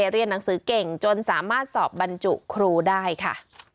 เรียนหนังสือเก่งจนสามารถสอบบรรจุครูได้ค่ะ